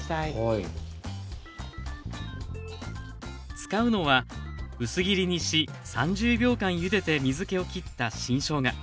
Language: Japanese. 使うのは薄切りにし３０秒間ゆでて水けをきった新しょうが。